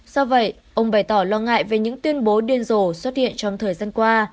do vậy ông bày tỏ lo ngại về những tuyên bố điên rồ xuất hiện trong thời gian qua